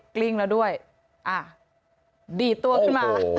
คริ่งละด้วยดีตัวขึ้นมา